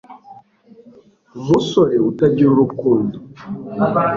umusore utagira urukundo